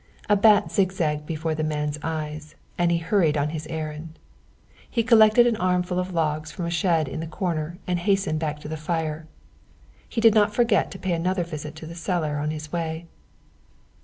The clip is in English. A bat zigzagged before the man's eyes, and he hurried on his errand. He collected an armful of logs from a shed in the corner and hastened back to the fire. He did not forget to pay another visit to the cellar on his way.